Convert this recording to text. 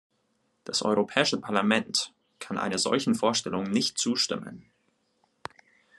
Das Europäische Parlament kann einer solchen Vorstellung nicht zustimmen.